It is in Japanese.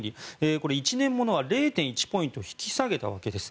これ１年物は０．１ポイント引き下げたわけです。